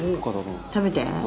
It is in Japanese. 食べて。